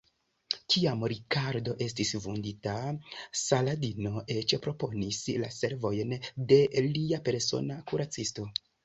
Kiam Rikardo estis vundita, Saladino eĉ proponis la servojn de lia persona kuracisto.